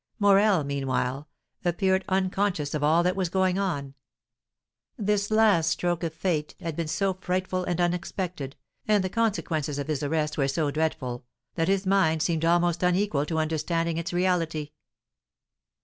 Morel, meanwhile, appeared unconscious of all that was going on; this last stroke of fate had been so frightful and unexpected, and the consequences of his arrest were so dreadful, that his mind seemed almost unequal to understanding its reality.